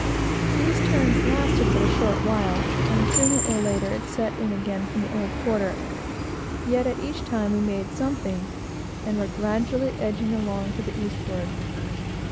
These turns lasted but a short while, and sooner or later it set again from the old quarter; yet each time we made something, and were gradually edging along to the eastward.